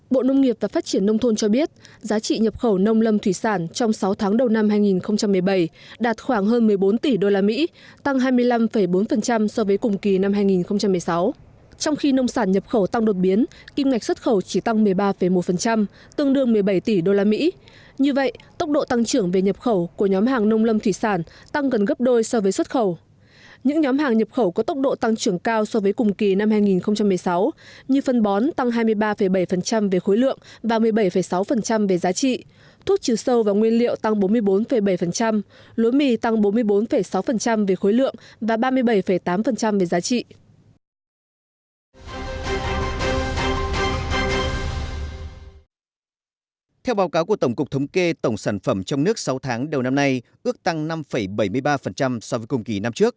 bộ nông nghiệp và phát triển nông thôn cho biết giá trị nhập khẩu nông lâm thủy sản trong sáu tháng đầu năm hai nghìn một mươi bảy đạt khoảng hơn một mươi bốn tỷ usd tăng hai mươi năm bốn so với cùng kỳ năm hai nghìn một mươi sáu